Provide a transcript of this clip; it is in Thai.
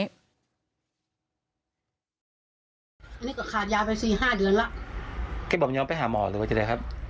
อันนี้ก็ขาดยาไปสี่ห้าเดือนแล้วแกบอกยอมไปหาหมอเลยว่าจะได้ครับ